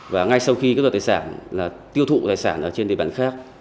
và ngay sau khi các loại tài sản tiêu thụ tài sản ở trên địa bản khác